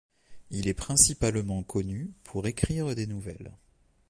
Il est principalement connu pour écrire des nouvelles.